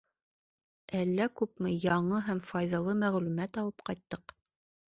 Әллә күпме яңы һәм файҙалы мәғлүмәт алып ҡайттыҡ.